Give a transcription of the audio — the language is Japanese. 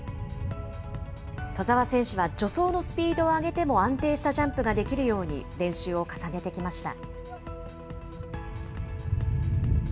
兎澤選手は助走のスピードを上げても安定したジャンプができるように、練習を重ねてきました。